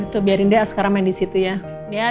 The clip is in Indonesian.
tuh biarin deh askaramain disitu ya